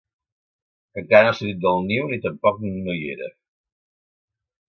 Que encara no ha sortit del niu ni tampoc no hi era.